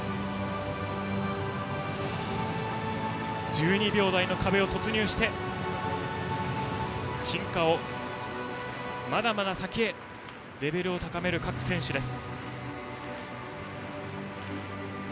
１２秒台の壁に突入して進化を、まだまだ先へレベルを高める各選手です。